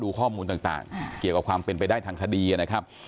ข้อมูลต่างเกี่ยวกับความเป็นไปได้ทางคดีนะครับ